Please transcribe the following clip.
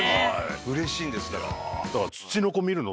うれしいんです。